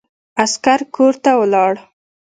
عسکر کورته ولاړ.